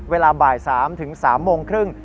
เวลาบ่าย๓ถึง๓๓โมงครึ่ง